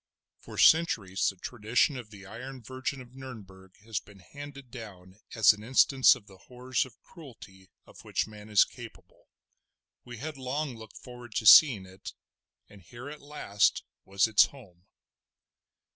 For centuries the tradition of the Iron Virgin of Nurnberg has been handed down as an instance of the horrors of cruelty of which man is capable; we had long looked forward to seeing it; and here at last was its home.